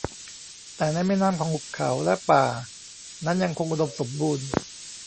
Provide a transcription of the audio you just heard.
แต่ในแม่น้ำของหุบเขาและป่านั้นยังคงอุดมสมบูรณ์